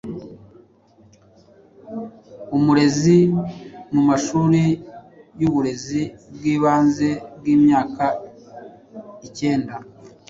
Umurezi mu Mashuri y’ Uburezi bw’Ibanze bw’Imyaka Ikenda: